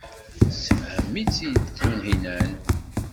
Tessefhem-itt-id Tunhinan.